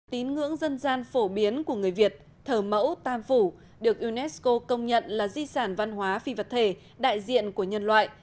tín ngưỡng dân gian phổ biến của người việt thờ mẫu tam phủ được unesco công nhận là di sản văn hóa phi vật thể đại diện của nhân loại